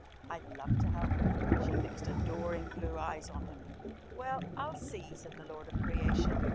"I'd love to help." She fixed adoring blue eyes upon him. "Well, I'll see," said the lord of creation.